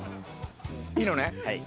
いいのね？